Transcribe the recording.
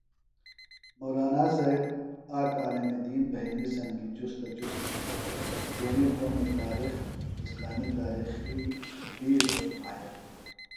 مولانا صاحب آک عالم دین بھئنی سنگیۡ جُستہ جُستہ تیݨی قومی تاریخ ، اسلامی تاریخی بی بیڈوۡ ماہر